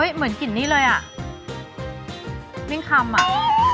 เหมือนกลิ่นนี้เลยอ่ะมิ่งคำอ่ะ